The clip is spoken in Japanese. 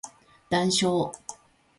談笑